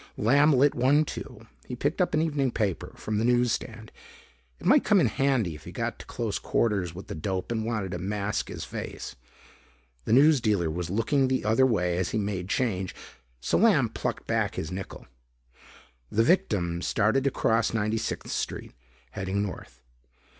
Lamb lit one too. He picked up an evening paper from the newsstand it might come in handy if he got to close quarters with the dope and wanted to mask his face. The newsdealer was looking the other way as he made change so Lamb plucked back his nickel. The victim started to cross 96th Street, heading north.